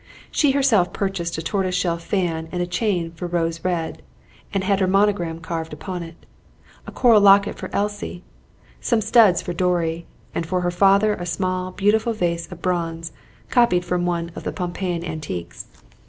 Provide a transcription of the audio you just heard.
She herself purchased a tortoise shell fan and chain for Rose Red, and had her monogram carved upon it; a coral locket for Elsie; some studs for Dorry; and for her father a small, beautiful vase of bronze, copied from one of the Pompeian antiques.